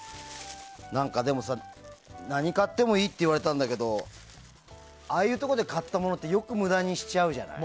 でもさ、何を買ってもいいって言われたんだけどああいうところで買ったものってよく無駄にしちゃうじゃない。